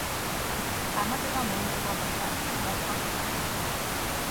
წარმატება მოიპოვა ბრიტანეთში და სხვა ქვეყნებში.